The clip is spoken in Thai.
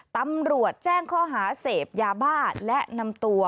ตำรวจแจ้งข้อหาเสพยาบ้าและนำตัว